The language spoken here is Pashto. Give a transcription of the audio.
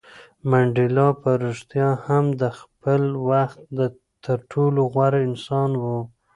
منډېلا په رښتیا هم د خپل وخت تر ټولو غوره انسان و.